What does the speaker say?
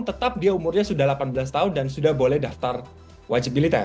tetap dia umurnya sudah delapan belas tahun dan sudah boleh daftar wajib militer